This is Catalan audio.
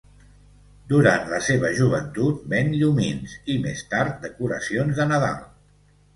Durant la seva joventut ven llumins i, més tard, decoracions de Nadal.